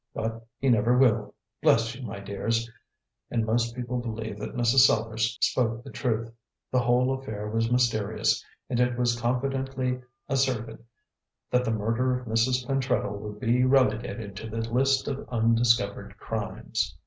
But he never will, bless you, my dears." And most people believed that Mrs. Sellars spoke the truth. The whole affair was mysterious; and it was confidently asserted that the murder of Mrs. Pentreddle would be relegated to the list of undiscovered crimes.